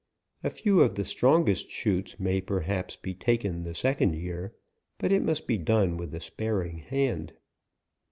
A few of the strongest shoots may per haps be taken the second year, but it must be done with a sparing hand.